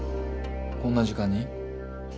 こんな時間に？